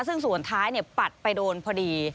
ซึ่งส่วนท้ายปัดไปโดนพอดี